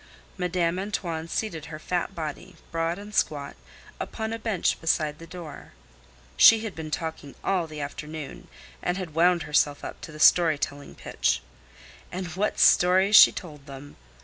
Madame Antoine seated her fat body, broad and squat, upon a bench beside the door. She had been talking all the afternoon, and had wound herself up to the storytelling pitch. And what stories she told them!